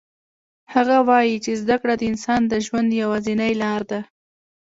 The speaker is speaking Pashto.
هغه وایي چې زده کړه د انسان د ژوند یوازینی لار ده